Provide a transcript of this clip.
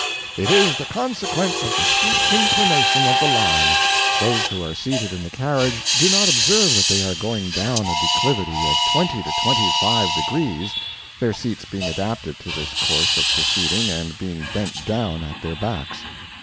It is the consequence of the steep inclination of the line. Those who are seated in the carriage do not observe that they are going down a declivity of twenty to twenty five degrees (their seats being adapted to this course of proceeding and being bent down at their backs).